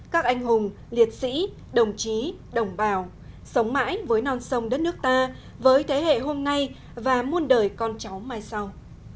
các anh hùng liệt sĩ đồng chí đồng bào sống mãi với non sông đất nước ta với thế hệ hôm nay và muôn đời con cháu mai sau